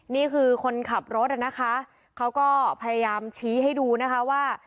นี่คือคนขับรถนะคะเขาก็พยายามชี้ให้ดูนะคะว่า